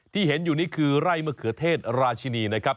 ที่เห็นอยู่นี่คือไร่มะเขือเทศราชินีนะครับ